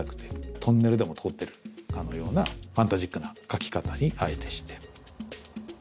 トンネルでも通ってるかのようなファンタジックな描き方にあえてしてる。